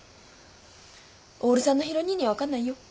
オール３のヒロ兄には分かんないよ。